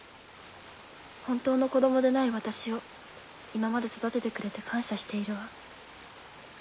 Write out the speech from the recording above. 本当の子供でない私を今まで育ててくれて感謝しているわ。